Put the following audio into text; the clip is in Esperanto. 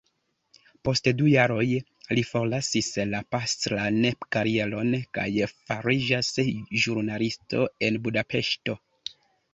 Post du jaroj li forlasis la pastran karieron, kaj fariĝis ĵurnalisto en Budapeŝto.